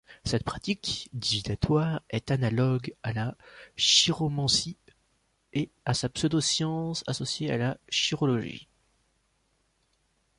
Cette pratique divinatoire est analogue à la chiromancie et sa pseudo-science associée, la chirologie.